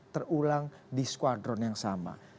terulang di skuadron yang sama